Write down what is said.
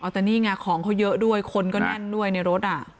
แต่นี่ไงของเขาเยอะด้วยคนก็แน่นด้วยในรถ